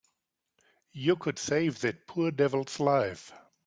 You could save that poor devil's life.